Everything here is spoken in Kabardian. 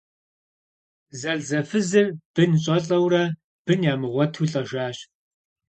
Зэлӏзэфызыр бынщӏэлӏэурэ, бын ямыгъуэту лӏэжащ.